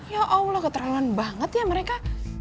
ya allah keterangan banget ya mereka